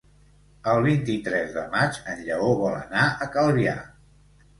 El vint-i-tres de maig en Lleó vol anar a Calvià.